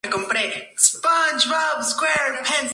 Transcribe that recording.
Su producción cinematográfica se inspira en hechos reales.